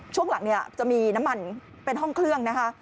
ช่วงหลังเนี่ยจะมีน้ำมันเป็นห้องเครื่องนะคะ